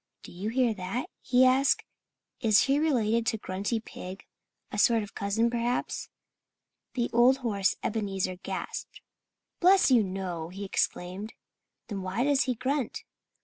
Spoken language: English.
"Do you hear that?" he asked. "Is he related to Grunty Pig a sort of cousin, perhaps?" The old horse Ebenezer gasped. "Bless you, no!" he exclaimed. "Then why does he grunt?"